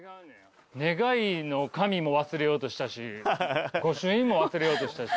願いの紙も忘れようとしたし御朱印も忘れようとしたし。